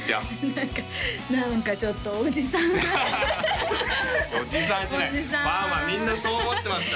何か何かちょっとおじさんおじさんじゃないファンはみんなそう思ってました